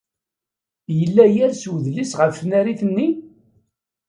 Yella yers wedlis ɣef tnarit-nni?